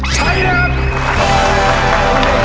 ใช้ค่ะ